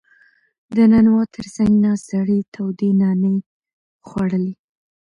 • د نانوا تر څنګ ناست سړی تودې نانې خوړلې.